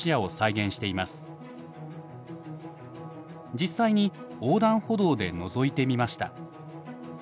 実際に横断歩道でのぞいてみました。